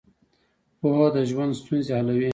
پوهه د ژوند ستونزې حلوي.